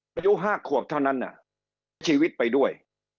อายุ๕ขวบเท่านั้นชีวิตไปด้วย